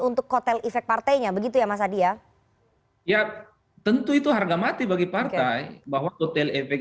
untuk kotel efek partainya begitu ya mas adi ya ya tentu itu harga mati bagi partai bahwa kotel efek